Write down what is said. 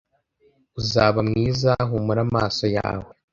Uzaba mwiza, humura amaso yawe.